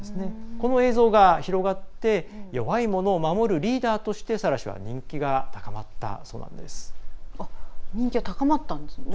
この映像が広がって弱い者を守るリーダーとしてサラ氏は人気が高まったそうなんです。